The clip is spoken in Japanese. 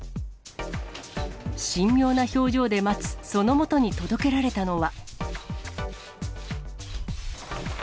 神妙な表情で待つそのもとに届けられたのは。